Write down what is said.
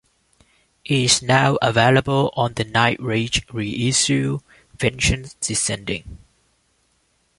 It is now available on the Nightrage re-issue "Vengeance Descending".